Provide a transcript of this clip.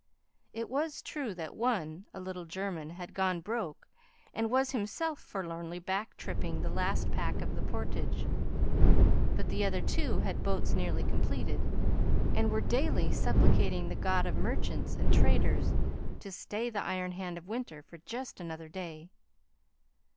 It was true that one, a little German, had gone broke and was himself forlornly back tripping the last pack of the portage; but the other two had boats nearly completed, and were daily supplicating the god of merchants and traders to stay the iron hand of winter for just another day.